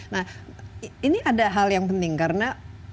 nah ini ada hal yang penting karena